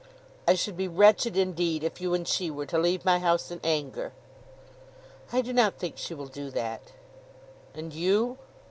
"I should be wretched indeed if you and she were to leave my house in anger." "I do not think she will do that." "And you?"